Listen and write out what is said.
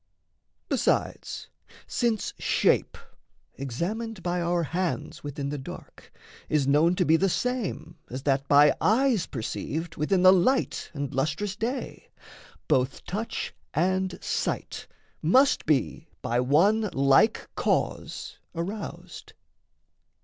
Besides, since shape examined by our hands Within the dark is known to be the same As that by eyes perceived within the light And lustrous day, both touch and sight must be By one like cause aroused.